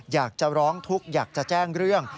อยากจะร้องทุกข์อยากจะแจ้งเรื่อง